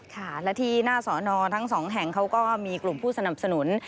ค่ะและที่หน้าสอนอทั้งสองแห่งเขาก็มีกลุ่มผู้สนับสนุน